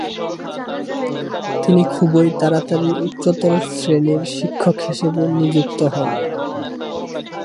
তিনি খুবই তাড়াতাড়ি উচ্চতর শ্রেণীর শিক্ষক হিসেবে নিযুক্ত হন।